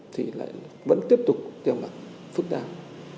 thì lại vẫn tiếp tục tiêu mặt phức tạp